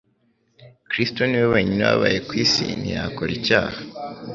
Kristo ni we wenyine wabaye ku isi ntiyakora icyaha;